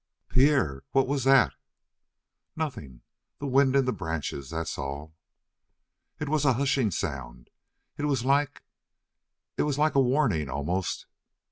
"Pierre, what was that?" "Nothing; the wind in the branches, that's all." "It was a hushing sound. It was like it was like a warning, almost."